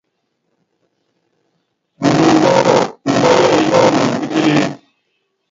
Muloŋ kɔ ɔmbɔk, mbua yɛɛyɛ́ ɔɔŋɔn e kélém.